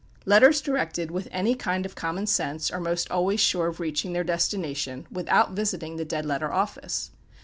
Letters directed with any kind of common sense are most always sure of reaching their destination without visiting the Dead Letter Office.